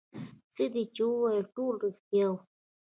څه دې چې وويل ټول رښتيا وو.